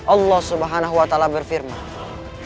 allah subhanahu wa ta'ala berfirman